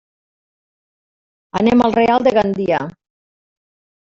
Anem al Real de Gandia.